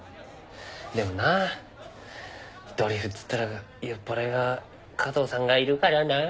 でもなドリフっつったら酔っぱらいは加藤さんがいるからなぁ。